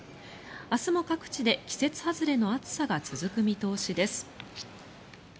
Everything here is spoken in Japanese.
明日も各地で季節外れの暑さが続く見通しです。